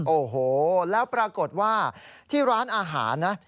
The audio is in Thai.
โอ้โหแล้วปรากฏว่าที่ร้านอาหารนะ